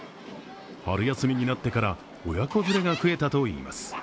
春休みになってから親子連れが増えたといいます。